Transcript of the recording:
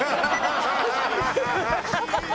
ハハハハ！